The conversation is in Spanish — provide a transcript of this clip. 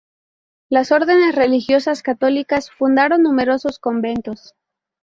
Las órdenes religiosas católicas fundaron numerosos conventos.